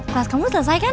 kelas kamu selesai kan